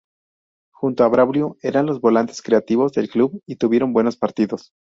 Junto a Braulio eran los volantes creativos del club y tuvieron buenos partidos.